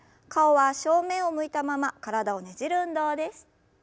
顔は正面を向いたまま体をねじる運動です。